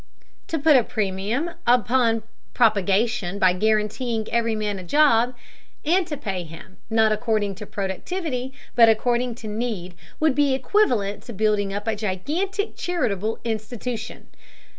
To put a premium upon propagation by guaranteeing every man a job, and to pay him, not according to productivity, but according to need, would be equivalent to building up a gigantic charitable institution.